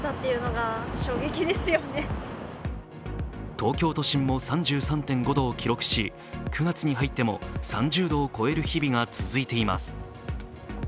東京都心も３３．５度を記録し９月に入っても３０度を超える日々が続いています。